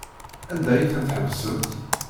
Anda ay ten-tḥebsemt?